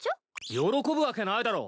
喜ぶわけないだろう。